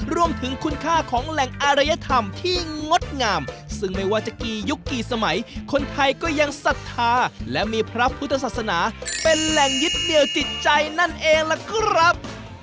รวมถึงคุณค่าของแหล่งอารยธรรมที่งดงามซึ่งไม่ว่าจะกี่ยุคกี่สมัยคนไทยก็ยังศรัทธาและมีพระพุทธศาสนาเป็นแหล่งยึดเหนียวจิตใจนั่นเองล่ะครับ